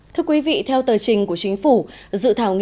thưa quý vị theo tờ trình của chính phủ